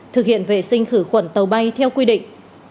thực hiện vệ sinh khử khuẩn tàu bay theo quy định